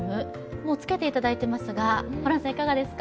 もうつけていただいていますが、ホランさん、いかがですか？